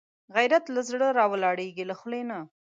غیرت له زړه راولاړېږي، له خولې نه